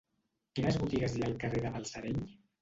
Quines botigues hi ha al carrer de Balsareny?